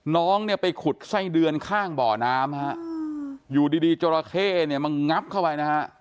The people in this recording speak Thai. น้องไปขุดไส้เดือนข้างบ่อน้ำอยู่ดีจราเข้มันงับเข้าไป